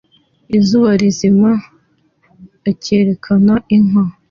Izuba rizima akerekana inka